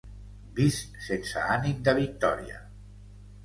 Vist sense ànim de victòria.